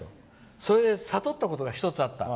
それで悟ったことが１つあった。